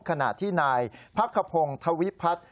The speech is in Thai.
ขณะที่นายพักขพงศ์ธวิพัฒน์